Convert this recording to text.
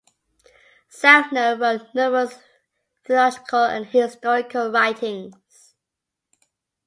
Zeltner wrote numerous theological and historical writings.